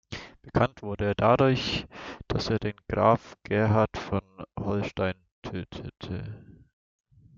Bekannt wurde er dadurch, dass er den Grafen Gerhard von Holstein tötete.